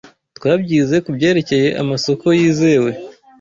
Twabyize kubyerekeye amasoko yizewe.